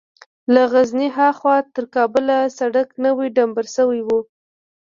له غزني ها خوا تر کابله سړک نوى ډمبر سوى و.